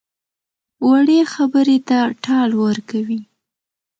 وړې خبرې ته ټال ورکوي.